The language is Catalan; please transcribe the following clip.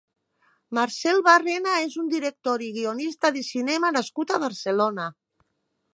Marcel Barrena és un director i guionista de cinema nascut a Barcelona.